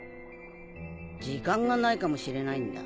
時間がないかもしれないんだ。